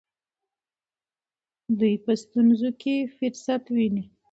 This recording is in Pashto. دوی په ستونزو کې فرصت ویني.